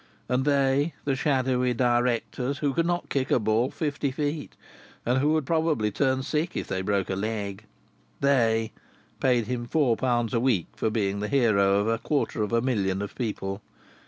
And "they" the shadowy directors, who could not kick a ball fifty feet and who would probably turn sick if they broke a leg "they" paid him four pounds a week for being the hero of a quarter of a million of people!